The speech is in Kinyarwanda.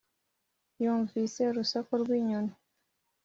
yumvise urusaku rw'inyoni,